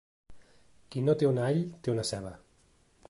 Qui no té un all té una ceba.